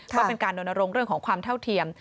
ก็เป็นการรณรงค์เรื่องของความเท่าเทียม